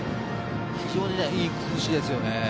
非常にいい崩しですよね。